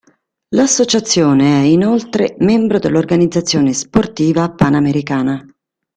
L'associazione è, inoltre, membro dell'Organizzazione Sportiva Panamericana.